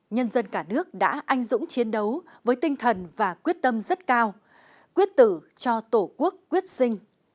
nhân dân cả nước đã anh dũng chiến đấu với tinh thần và quyết tâm rất cao quyết tử cho tổ quốc quyết sinh